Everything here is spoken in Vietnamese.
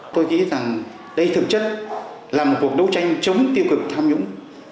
tôi nghĩ rằng đây thực chất là một cuộc đấu tranh chống tiêu cực tham nhũng